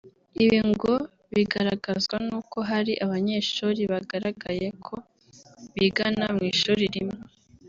Ibi ngo bigaragazwa n’uko hari abanyeshuri bagaragaye ko bigana mu ishuri rimwe